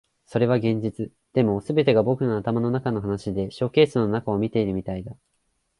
それは現実。でも、全てが僕の頭の中の話でショーケースの中を見ているみたいだ。